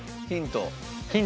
ヒント。